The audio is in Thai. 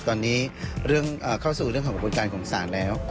ตอนนี้เข้าสู่เรื่องของบทการณ์ของสารแล้ว